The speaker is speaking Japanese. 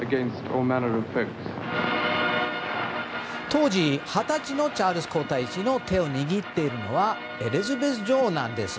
当時、二十歳のチャールズ皇太子の手を握っているのはエリザベス女王なんです。